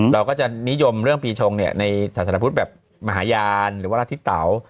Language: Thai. เราก็จะนิยมเรื่องปีชงเนี่ยในศาสนาพุทธแบบมหาญาณหรือว่าอาทิตย์เต๋า